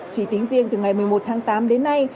chỉ tính riêng từ ngày một mươi một tháng tám đến nay